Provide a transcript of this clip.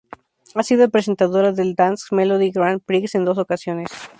Ha sido presentadora del Dansk Melodi Grand Prix en dos ocasiones.